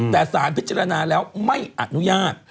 แต่สารพิจารณาแล้วไม่อนุญาต